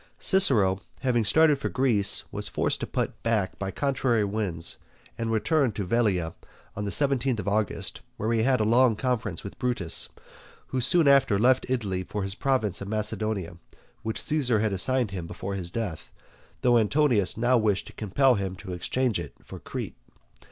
Cicero having started for Greece was forced to put back by contrary winds, and returned to Velia on the seventeenth of August, where he had a long conference with Brutus, who soon after left Italy for his province of Macedonia, which Caesar had assigned him before his death, though Antonius now wished to compel him to exchange it for Crete.